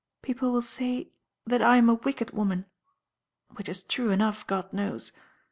People will say that I am a wicked woman, which is true enough, God knows.